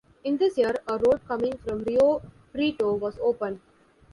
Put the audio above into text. In this year, a road coming from Rio Preto was open.